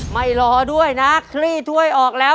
ไม่รอด้วยนะคลี่ถ้วยออกแล้ว